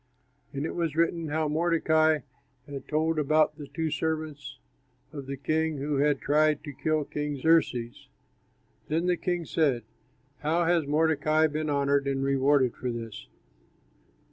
And it was written how Mordecai had told about the two servants of the king who had tried to kill King Xerxes. Then the king said, "How has Mordecai been honored and rewarded for this?"